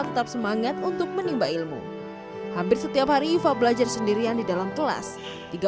tetap semangat untuk menimba ilmu hampir setiap hari iva belajar sendirian di dalam kelas tiga